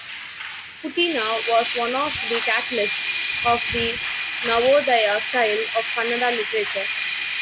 PuTiNa was one of the catalysts of the Navodaya style of Kannada literature.